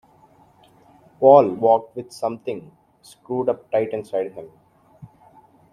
Paul walked with something screwed up tight inside him.